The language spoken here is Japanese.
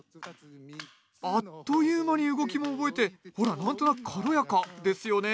あっという間に動きも覚えてほら何となく軽やかですよね。